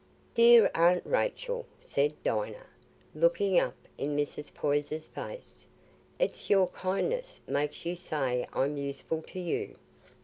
"Dear Aunt Rachel," said Dinah, looking up in Mrs. Poyser's face, "it's your kindness makes you say I'm useful to you.